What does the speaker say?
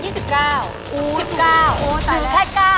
๑๙โอ้แต่แม่งโอ้แต่แม่งที่แค่๙